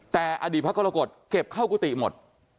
แต่อดีตพระกรกฎเก็บเข้ากุฏิหมด